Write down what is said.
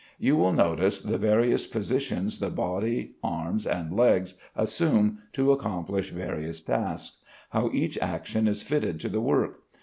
You will notice the various positions the body arms, and legs assume to accomplish various tasks; how each action is fitted to the work.